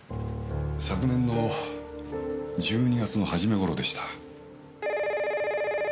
昨年の１２月の初め頃でした。